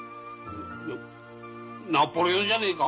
いやナポレオンじゃねえか？